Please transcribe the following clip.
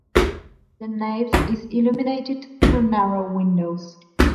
The nave is illuminated through narrow windows.